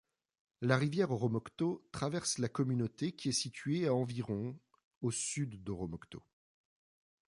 La rivière Oromocto traverse la communauté qui est située à environ au sud d'Oromocto.